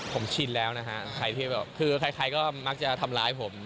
ผมชินแล้วนะฮะใครที่แบบคือใครก็มักจะทำร้ายผม